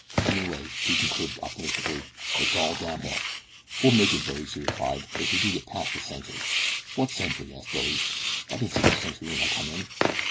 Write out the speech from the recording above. Anyway," he concluded optimistically, "it's all down hill." "We'll make it, Billy," she replied, "if we can get past the sentry." "What sentry?" asked Billy. "I didn't see no sentry when I come in."